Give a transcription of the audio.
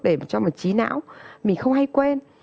để cho một trí não mình không hay quên